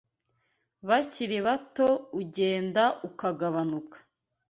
bakiri bato ugenda ukagabanuka